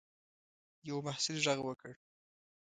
یوه محصل غږ وکړ.